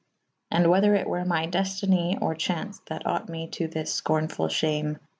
And whether it were my deftene or chau«ce that ought me this fkornefull fharae.